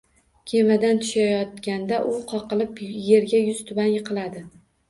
Kemadan tushayotganda… u qoqilib, yerga yuztuban yiqiladi